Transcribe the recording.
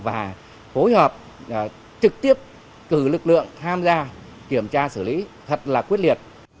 và phối hợp trực tiếp cử lực lượng tham gia kiểm tra xử lý thật là quyết liệt